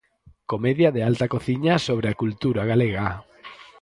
Comedia de alta cociña sobre a cultura galega.